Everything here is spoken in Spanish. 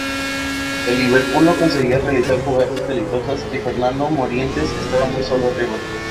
El Liverpool no conseguía realizar jugadas peligrosas y Fernando Morientes estaba muy solo arriba.